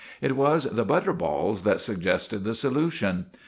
It was the butter balls that suggested the solution.